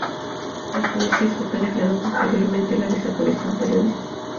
La policía sueca declaró posteriormente la desaparición de la periodista.